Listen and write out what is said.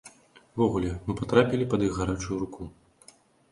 Увогуле, мы патрапілі пад іх гарачую руку.